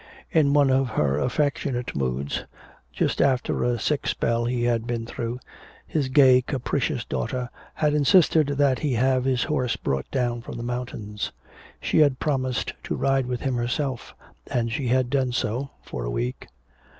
In one of her affectionate moods, just after a sick spell he had been through, his gay capricious daughter had insisted that he have his horse brought down from the mountains. She had promised to ride with him herself, and she had done so for a week.